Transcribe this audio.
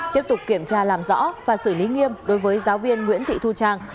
tiếp tục kiểm tra làm rõ và xử lý nghiêm đối với giáo viên nguyễn thị thu trang